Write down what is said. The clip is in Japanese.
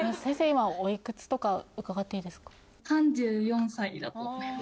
今お幾つとか伺っていいですか？